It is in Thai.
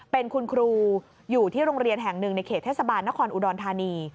เป็นคุณครูอยู่ที่โรงเรียนแห่งหนึ่งในเขตเทศบาลนครอุดรธานี